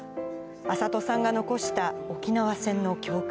安里さんが残した沖縄戦の教訓。